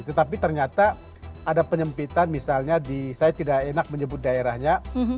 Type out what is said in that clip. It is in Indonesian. tetapi ternyata ada penyempitan misalnya di saya tidak enak menyebut daerahnya